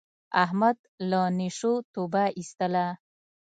احمد له نشو توبه ایستله.